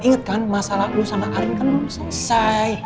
ingat kan masalah lo sama ari kan lo selesai